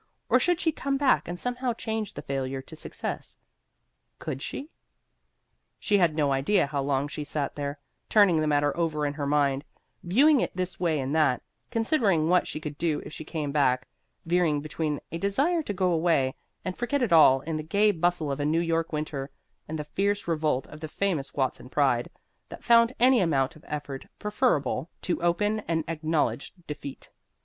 Or should she come back and somehow change the failure to success? Could she? She had no idea how long she sat there, turning the matter over in her mind, viewing it this way and that, considering what she could do if she came back, veering between a desire to go away and forget it all in the gay bustle of a New York winter, and the fierce revolt of the famous Watson pride, that found any amount of effort preferable to open and acknowledged defeat.